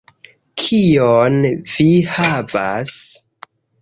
Kion vi havas?